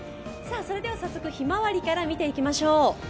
それでは早速、ひまわりから見ていきましょう。